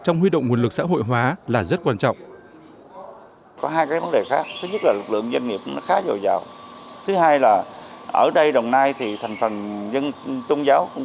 nguồn lực xã hội hóa là rất quan trọng